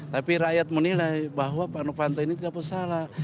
tapi rakyat menilai bahwa pak novanto ini tidak bersalah